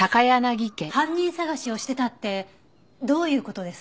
犯人捜しをしてたってどういう事です？